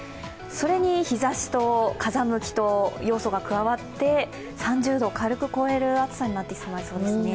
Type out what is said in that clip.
それに日ざしと風向きと要素が加わって、３０度を軽く超える暑さになってしまいそうですね。